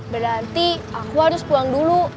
berarti aku harus pulang dulu